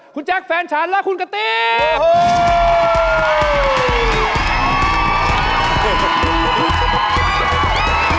คุณแจ๊คแฟนฉันและคุณกะตี